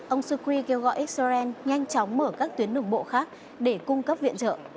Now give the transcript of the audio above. ông sukri kêu gọi israel nhanh chóng mở các tuyến đường bộ khác để cung cấp viện trợ